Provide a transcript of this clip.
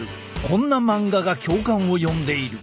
こんな漫画が共感を呼んでいる。